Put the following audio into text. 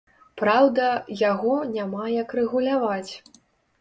Праўда, яго няма як рэгуляваць.